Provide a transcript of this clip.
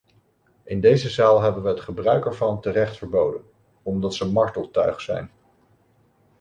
In deze zaal hebben we het gebruik ervan terecht verboden, omdat ze marteltuig zijn.